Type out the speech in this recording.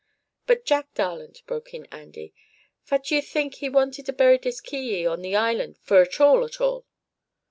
"But Jack darlint," broke in Andy, "phat d'ye think he wanted to bury this ki yi on the island for at all, at all?"